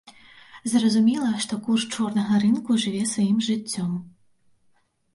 Зразумела, што курс чорнага рынку жыве сваім жыццём.